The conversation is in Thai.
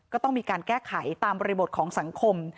ก็ต้องมีการแก้ไขตามบริบทของสังคม